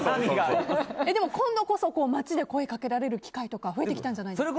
でも今度こそ街で声掛けられる機会とか増えてきたんじゃないですか。